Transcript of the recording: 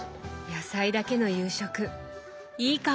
野菜だけの夕食いいかも！